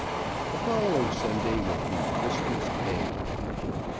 The following Sunday would be Christmas Day.